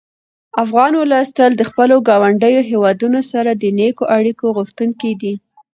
افغان ولس تل د خپلو ګاونډیو هېوادونو سره د نېکو اړیکو غوښتونکی دی.